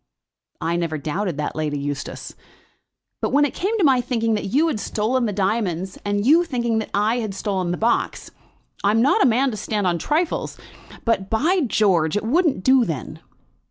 "I never doubted that, Lady Eustace. But when it came to my thinking that you had stolen the diamonds, and you thinking that I had stolen the box ! I'm not a man to stand on trifles, but, by George, it wouldn't do then."